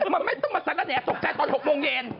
มันไม่ต้องมาสังกระแหตกใจตอน๖โมงเย็น